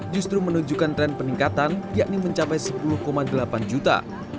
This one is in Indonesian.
justru menunjukkan tren peningkatan yakni mencapai sepuluh delapan juta